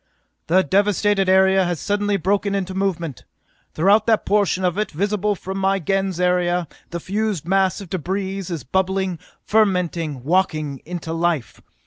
"The devasted area has suddenly broken into movement! Throughout that portion of it visible from my Gens area, the fused mass of debris is bubbling, fermenting, walking into life!